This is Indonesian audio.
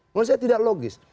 menurut saya tidak logis